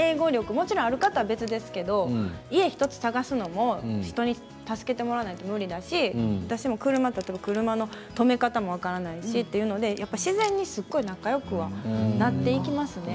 もちろんある方は別ですけれど家１つ探すのも人に助けてもらわないと無理だし私も車、例えば車の止め方も分からないし自然にすごく仲よくなっていきますね。